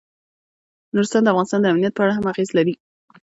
نورستان د افغانستان د امنیت په اړه هم اغېز لري.